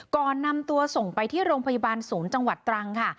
ก่อนนำตัวส่งไปที่โรงพยาบาลศูนย์จังหวัดตรังค่ะ